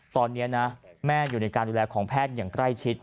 ตอนนี้นะแม่อยู่ในการดูแลของแพทย์อย่างใกล้ชิด